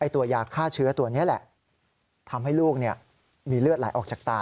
ตัวยาฆ่าเชื้อตัวนี้แหละทำให้ลูกมีเลือดไหลออกจากตา